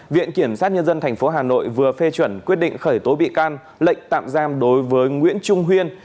viện kiểm sát nhân dân tp hà nội vừa phê chuẩn quyết định khởi tố bị can lệnh tạm giam đối với nguyễn trung huyên